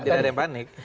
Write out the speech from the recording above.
tidak ada yang panik